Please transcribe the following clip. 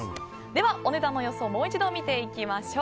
お値段の予想をもう一度見ていきましょう。